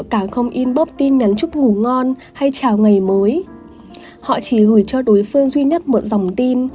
càng không inbox tin nhắn chúc ngủ ngon hay chào ngày mới họ chỉ gửi cho đối phương duy nhất một dòng tin